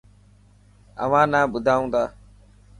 اوهان نا ٻڌائون تا.